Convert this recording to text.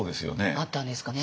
あったんですかね。